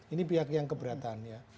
ini pihak yang keberatan ya